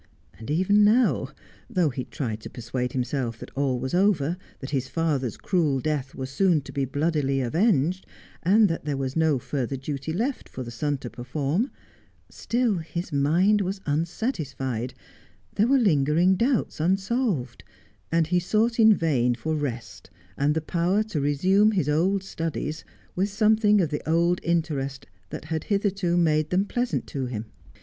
And even now. though he tried to persuade himself that all was over, that his father's cruel death was scon to be bloodily avenged, and that there was no further duty left for the son to perform, still his mind was unsatisfied, there were lingering doubts unsolved, and he sought in vain for rest, and the power to resume his old studies with something of the old interest that had hitherto made them pleasant to him.